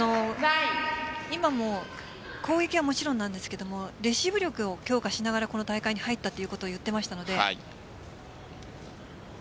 今も攻撃はもちろんなんですがレシーブ力を強化しながらこの大会に入ったということを言っていましたので。